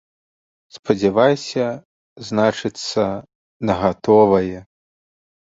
Спадзявайся, значыцца, на гатовае.